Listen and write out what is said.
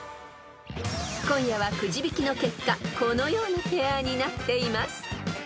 ［今夜はくじ引きの結果このようなペアになっています］